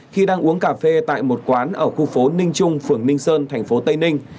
khi đang uống cà phê tại một quán ở khu phố ninh trung phường ninh sơn thành phố tây ninh